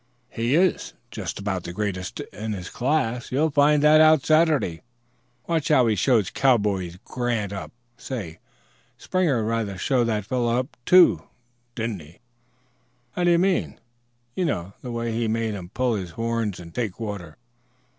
"He's just about the greatest in his class; you'll find that out Saturday. Watch how he shows Cowboy Grant up. Say, Springer rather showed that fellow up, too, didn't he?" "How do you mean?" "You know; the way he made him pull his horns and take water."